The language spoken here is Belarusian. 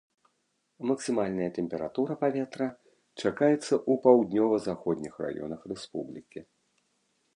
Максімальная тэмпература паветра чакаецца ў паўднёва-заходніх раёнах рэспублікі.